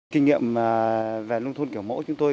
kinh nghiệm về nông thôn kiểu mẫu chúng tôi